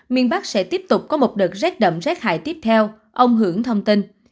miền bắc sẽ tiếp tục có một đợt rết đậm rác hại tiếp theo ông hưởng thông tin